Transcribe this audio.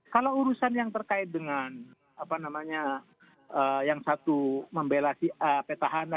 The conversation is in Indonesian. kalau urusan yang terkait dengan yang satu membelasi a peta hana